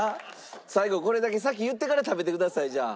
最後これだけ先言ってから食べてくださいじゃあ。